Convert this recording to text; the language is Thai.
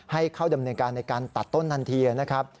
ให้เข้าดำเนินการในการตัดต้นทันทีนะครับ